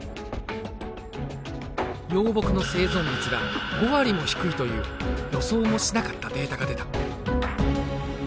幼木の生存率が５割も低いという予想もしなかったデータが出た。